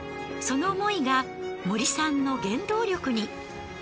その思いが森さんの原動力に。